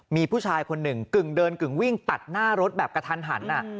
มีผู้ชายคนหนึ่งกึ่งเดินกึ่งวิ่งตัดหน้ารถแบบกระทันหัน